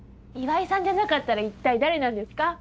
岩井さんじゃなかったら一体誰なんですか？